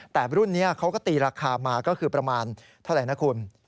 แต่รุ่นนี้เขาก็ตีราคามาก็คือประมาณเท่าไหร่นะคุณ